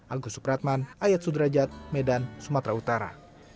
agus supratman ayat sudrajat medan sumatera utara